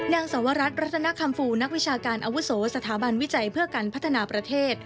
สวรัฐรัตนคัมฟูนักวิชาการอาวุโสสถาบันวิจัยเพื่อการพัฒนาประเทศ